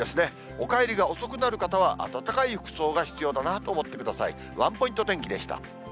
お帰りが遅くなる方は、暖かい服装が必要だなと思ってください。